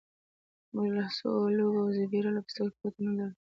موږ له څو لوبو او د زیبرا له پوستکي پرته هیڅ نه لرل